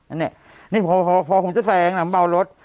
อันเนี้ยนี่พอพอพอผมจะแสงหนังเบารถ